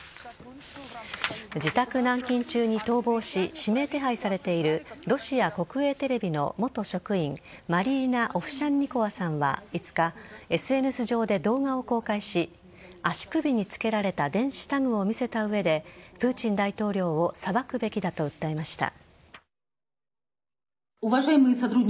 自宅軟禁中に逃亡し指名手配されているロシア国営テレビの元職員マリーナ・オフシャンニコワさんは５日、ＳＮＳ上で動画を公開し足首に付けられた電子タグを見せた上でプーチン大統領を裁くべきだと訴えました。